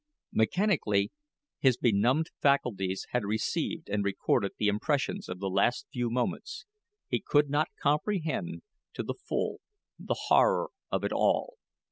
Mechanically, his benumbed faculties had received and recorded the impressions of the last few moments; he could not comprehend, to the full, the horror of it all.